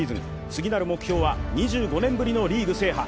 次なる目標は、２５年ぶりのリーグ制覇。